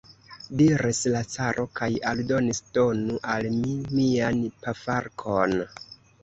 diris la caro kaj aldonis: donu al mi mian pafarkon.